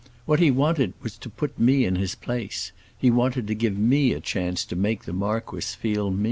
What he wanted now was to put me in his place; he wanted to give me a chance to make the marquis feel me."